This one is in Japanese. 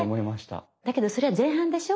だけどそれは前半でしょ？